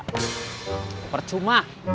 sudah gak usah dibahas penyanyi organ tunggal